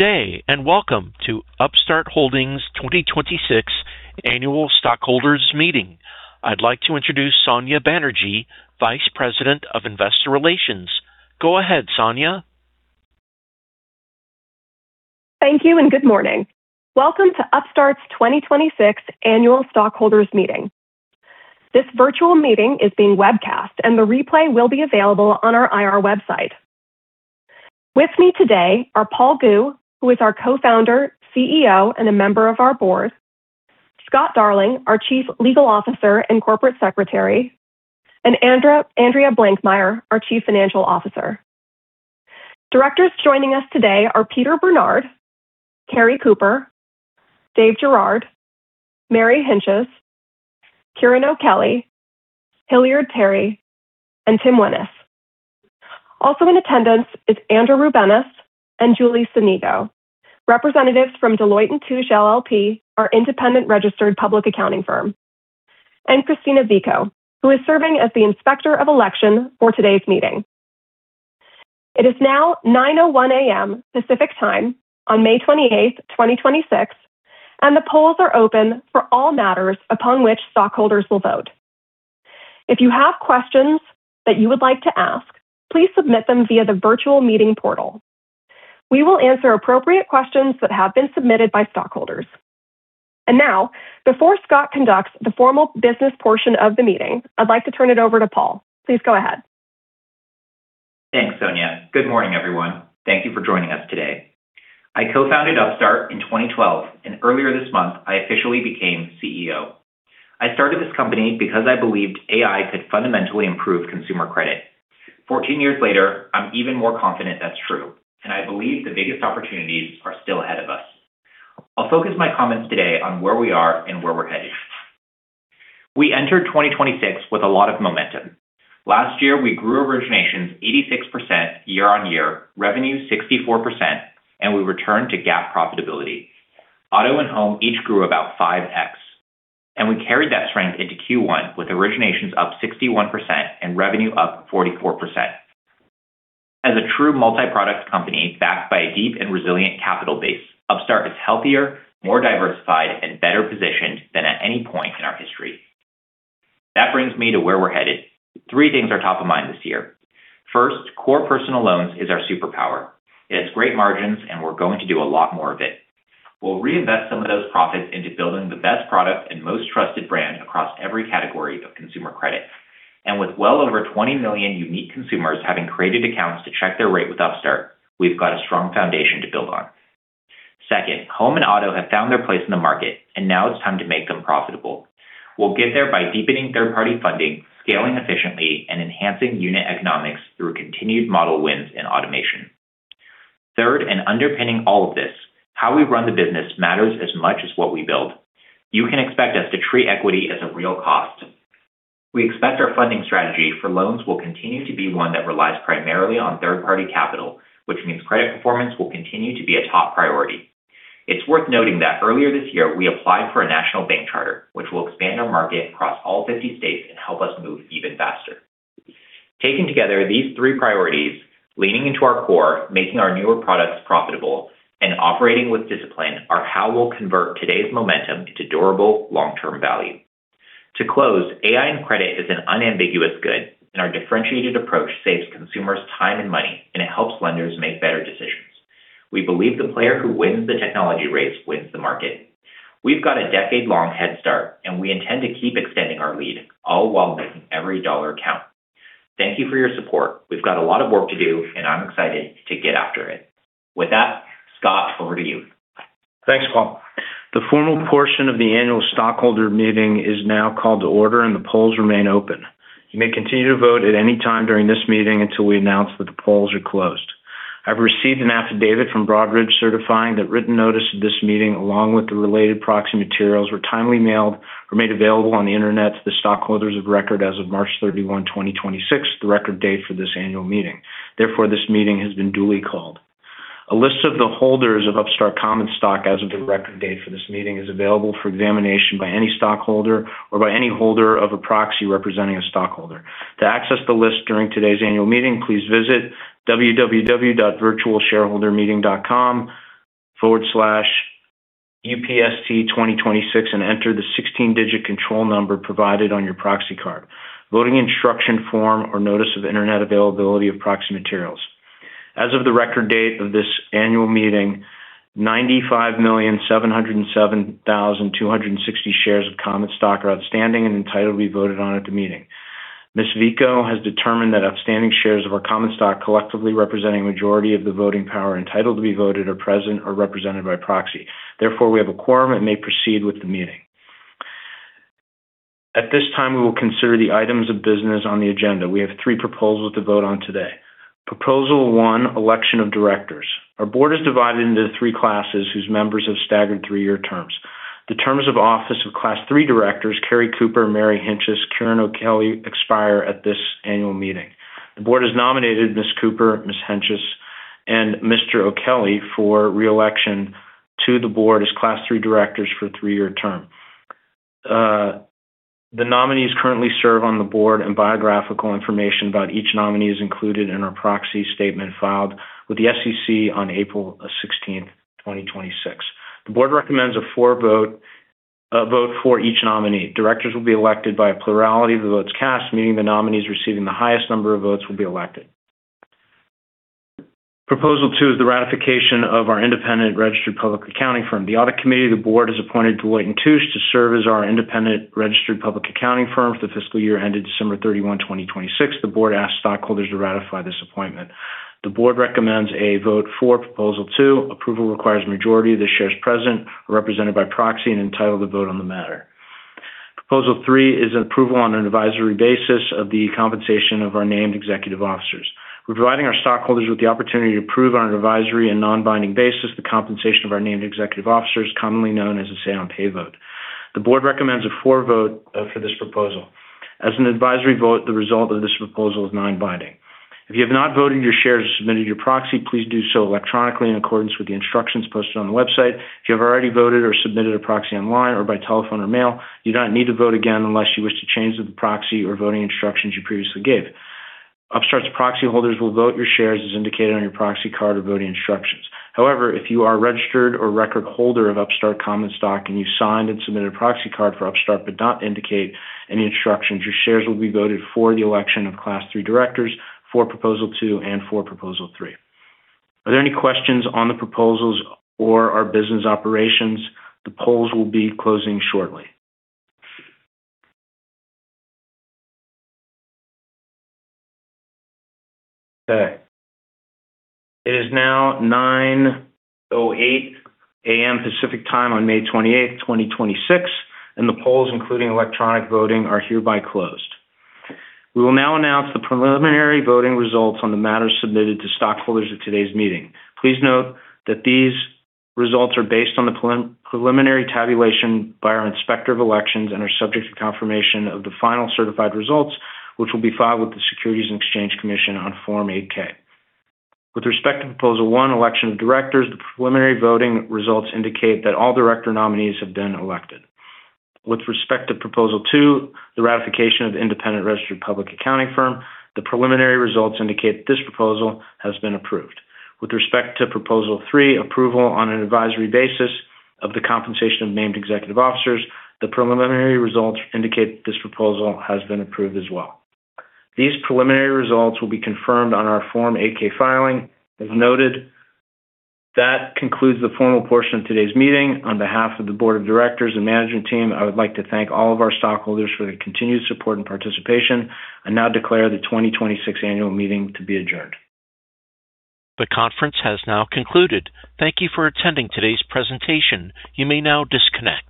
Good day, welcome to Upstart Holdings 2026 Annual Stockholders Meeting. I'd like to introduce Sonya Banerjee, Vice President of Investor Relations. Go ahead, Sonya. Thank you, and good morning. Welcome to Upstart's 2026 Annual Stockholders Meeting. This virtual meeting is being webcast, and the replay will be available on our IR website. With me today are Paul Gu, who is our Co-Founder, CEO, and a Member of our Board, Scott Darling, our Chief Legal Officer and Corporate Secretary, and Andrea Blankmeyer, our Chief Financial Officer. Directors joining us today are Peter Bernard, Kerry Cooper, Dave Girouard, Mary Hentges, Ciaran O'Kelly, Hilliard Terry, and Tim Wennes. Also in attendance is Andra Rubenis and Julie Sonigo, representatives from Deloitte & Touche LLP, our independent registered public accounting firm, and Christina Vico, who is serving as the Inspector of Election for today's meeting. It is now 9:01 A.M. Pacific Time on May 28, 2026, and the polls are open for all matters upon which stockholders will vote. If you have questions that you would like to ask, please submit them via the virtual meeting portal. We will answer appropriate questions that have been submitted by stockholders. Now, before Scott conducts the formal business portion of the meeting, I'd like to turn it over to Paul. Please go ahead. Thanks, Sonya. Good morning, everyone. Thank you for joining us today. I co-founded Upstart in 2012, and earlier this month, I officially became CEO. I started this company because I believed AI could fundamentally improve consumer credit. 14 years later, I'm even more confident that's true, and I believe the biggest opportunities are still ahead of us. I'll focus my comments today on where we are and where we're headed. We entered 2026 with a lot of momentum. Last year, we grew originations 86% year-on-year, revenue 64%, and we returned to GAAP profitability. Auto and home each grew about 5x. We carried that strength into Q1, with originations up 61% and revenue up 44%. As a true multi-product company backed by a deep and resilient capital base, Upstart is healthier, more diversified, and better positioned than at any point in our history. That brings me to where we're headed. Three things are top of mind this year. First, core personal loans is our superpower. It has great margins. We're going to do a lot more of it. We'll reinvest some of those profits into building the best product and most trusted brand across every category of consumer credit. With well over 20 million unique consumers having created accounts to check their rate with Upstart, we've got a strong foundation to build on. Second, home and auto have found their place in the market. Now it's time to make them profitable. We'll get there by deepening third-party funding, scaling efficiently, and enhancing unit economics through continued model wins and automation. Third, underpinning all of this, how we run the business matters as much as what we build. You can expect us to treat equity as a real cost. We expect our funding strategy for loans will continue to be one that relies primarily on third-party capital, which means credit performance will continue to be a top priority. It's worth noting that earlier this year, we applied for a national bank charter, which will expand our market across all 50 states and help us move even faster. Taken together, these three priorities, leaning into our core, making our newer products profitable, and operating with discipline are how we'll convert today's momentum into durable long-term value. To close, AI in credit is an unambiguous good, and our differentiated approach saves consumers time and money, and it helps lenders make better decisions. We believe the player who wins the technology race wins the market. We've got a decade-long head start, and we intend to keep extending our lead, all while making every dollar count. Thank you for your support. We've got a lot of work to do, and I'm excited to get after it. With that, Scott, over to you Thanks, Paul. The formal portion of the annual stockholder meeting is now called to order, and the polls remain open. You may continue to vote at any time during this meeting until we announce that the polls are closed. I've received an affidavit from Broadridge certifying that written notice of this meeting, along with the related proxy materials, were timely mailed or made available on the Internet to the stockholders of record as of March 31st, 2026, the record date for this Annual Meeting. Therefore, this meeting has been duly called. A list of the holders of Upstart common stock as of the record date for this meeting is available for examination by any stockholder or by any holder of a proxy representing a stockholder. To access the list during today's Annual Meeting, please visit www.virtualshareholdermeeting.com/upst2026 and enter the 16-digit control number provided on your proxy card, voting instruction form, or notice of Internet availability of proxy materials. As of the record date of this Annual Meeting, 95,707,260 shares of common stock are outstanding and entitled to be voted on at the meeting. Ms. Vico has determined that outstanding shares of our common stock, collectively representing a majority of the voting power entitled to be voted, are present or represented by proxy. Therefore, we have a quorum and may proceed with the meeting. At this time, we will consider the items of business on the agenda. We have three proposals to vote on today. Proposal one, election of directors. Our board is divided into three classes whose members have staggered three-year terms. The terms of office of Class III directors, Kerry Cooper, Mary Hentges, Ciaran O'Kelly, expire at this Annual Meeting. The board has nominated Ms. Cooper, Ms. Hentges, and Mr. O'Kelly for re-election to the board as Class III directors for a three-year term. The nominees currently serve on the board, and biographical information about each nominee is included in our proxy statement filed with the SEC on April 16, 2026. The board recommends a vote for each nominee. Directors will be elected by a plurality of the votes cast, meaning the nominees receiving the highest number of votes will be elected. Proposal two is the ratification of our independent registered public accounting firm. The audit committee of the board has appointed Deloitte & Touche to serve as our independent registered public accounting firm for the fiscal year ended December 31, 2026. The board asks stockholders to ratify this appointment. The board recommends a vote for Proposal two. Approval requires a majority of the shares present or represented by proxy and entitled to vote on the matter. Proposal three is an approval on an advisory basis of the compensation of our named executive officers. We're providing our stockholders with the opportunity to approve on an advisory and non-binding basis the compensation of our named executive officers, commonly known as a Say-on-Pay vote. The board recommends a for vote for this proposal. As an advisory vote, the result of this proposal is non-binding. If you have not voted your shares or submitted your proxy, please do so electronically in accordance with the instructions posted on the website. If you have already voted or submitted a proxy online or by telephone or mail, you do not need to vote again unless you wish to change the proxy or voting instructions you previously gave. Upstart's proxy holders will vote your shares as indicated on your proxy card or voting instructions. If you are a registered or record holder of Upstart common stock and you signed and submitted a proxy card for Upstart but did not indicate any instructions, your shares will be voted for the election of Class III directors for Proposal two and for Proposal three. Are there any questions on the proposals or our business operations? The polls will be closing shortly. Okay. It is now 9:08 A.M. Pacific Time on May twenty-eighth, 2026, and the polls, including electronic voting, are hereby closed. We will now announce the preliminary voting results on the matters submitted to stockholders at today's meeting. Please note that these results are based on the preliminary tabulation by our Inspector of Elections and are subject to confirmation of the final certified results, which will be filed with the Securities and Exchange Commission on Form 8-K. With respect to Proposal one, election of directors, the preliminary voting results indicate that all director nominees have been elected. With respect to Proposal two, the ratification of the independent registered public accounting firm, the preliminary results indicate that this proposal has been approved. With respect to Proposal three, approval on an advisory basis of the compensation of named executive officers, the preliminary results indicate that this proposal has been approved as well. These preliminary results will be confirmed on our Form 8-K filing as noted. That concludes the formal portion of today's meeting. On behalf of the Board of Directors and management team, I would like to thank all of our stockholders for their continued support and participation. I now declare the 2026 Annual Meeting to be adjourned. The conference has now concluded. Thank you for attending today's presentation.